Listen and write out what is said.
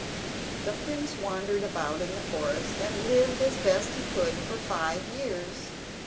The prince wandered about in the forest and lived as best he could for five years.